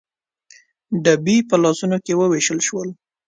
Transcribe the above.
ډبي په لاسونو کې ووېشل شول.